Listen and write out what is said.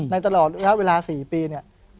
ในตลอดเวลา๔ปีเนี่ย